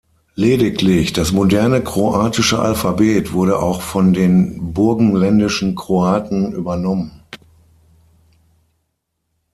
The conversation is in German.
Lediglich das moderne kroatische Alphabet wurde auch von den burgenländischen Kroaten übernommen.